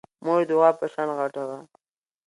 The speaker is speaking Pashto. مور يې د غوا په شان غټه وه.